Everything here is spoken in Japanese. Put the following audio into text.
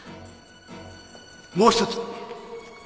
もう一つ。